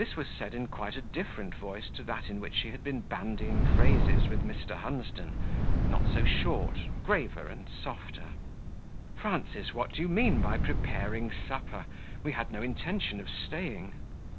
This was said in quite a different voice to that in which she had been bandying phrases with Mr. Hunsden not so short, graver and softer. "Frances, what do you mean by preparing, supper? we had no intention of staying."